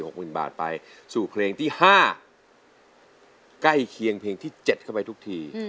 หมื่นบาทไปสู่เพลงที่ห้าใกล้เคียงเพลงที่เจ็ดเข้าไปทุกที